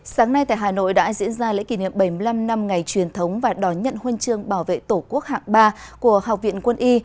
sáng nay tại hà nội đã diễn ra lễ kỷ niệm bảy mươi năm năm ngày truyền thống và đón nhận huân chương bảo vệ tổ quốc hạng ba của học viện quân y